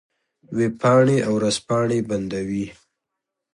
وېبپاڼې او ورځپاڼې بندوي.